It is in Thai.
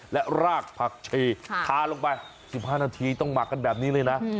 และรากผักชีทาลงไป๑๕นาทีต้องหมักกันแบบนี้เลยนะ